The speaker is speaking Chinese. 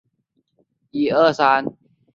明代万历时期任御马监监丞。